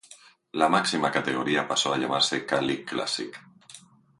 La máxima categoría pasó a llamarse K-League Classic.